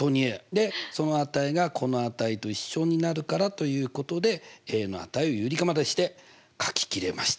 でその値がこの値と一緒になるからということでの値を有理化までして書ききれましたと。